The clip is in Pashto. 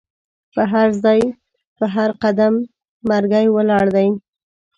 په هرځای په هر قدم مرګی ولاړ دی